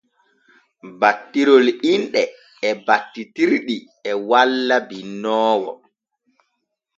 Battirol inɗe e battitirɗi e walla binnoowo.